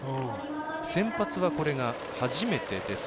先発はこれが初めてです。